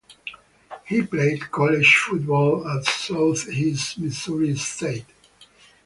He played college football at Southeast Missouri State.